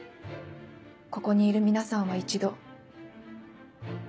ここにいる皆さんは一度。